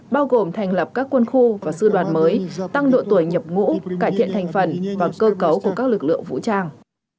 bao gồm thành lập các quân khu và sư đoàn mới tăng độ tuổi nhập ngũ cải thiện thành phần và cơ cấu của các lực lượng vũ trang